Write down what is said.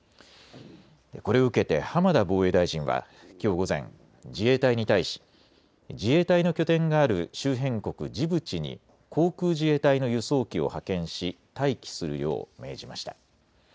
これを受けて浜田防衛大臣はきょう午前、自衛隊に対し自衛隊の拠点がある周辺国ジブチに航空自衛隊の輸送機を派遣し待機するよう命じました。